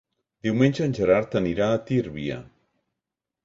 Diumenge en Gerard anirà a Tírvia.